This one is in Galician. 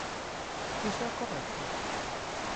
¿Iso é correcto?